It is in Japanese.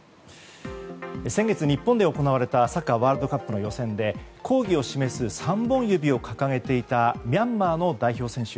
先月日本で行われたサッカーワールドカップの予選で抗議を示す３本指を掲げていたミャンマーの代表選手。